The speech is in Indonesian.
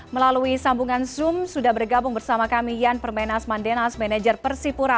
melalui sambungan zoom sudah bergabung bersama kami yan permenas mandenas manajer persipura